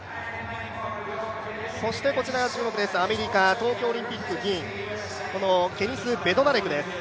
こちらが注目です、アメリカ、東京オリンピック銀、ケニス・ベドナレクです。